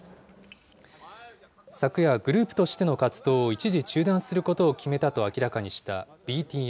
昨夜、グループとしての活動を一時中断することを決めたと明らかにしたＢＴＳ。